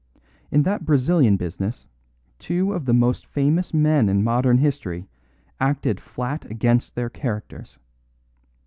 In that Brazilian business two of the most famous men of modern history acted flat against their characters.